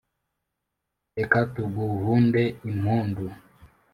Reka tuguhunde impundu